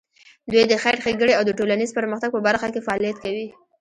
دوی د خیر ښېګڼې او د ټولنیز پرمختګ په برخه کې فعالیت کوي.